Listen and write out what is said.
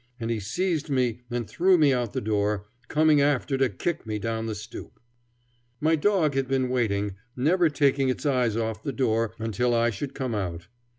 And he seized me and threw me out of the door, coming after to kick me down the stoop. My dog had been waiting, never taking its eyes off the door, until I should come out.